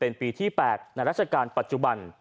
เป็นปีที่๘ในราชการปัจจุบัน